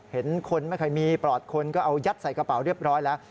เห็นคนไม่ค่อยมีปลอดคนก็เอายัดใส่กระเป๋าเรียบร้อยแล้ว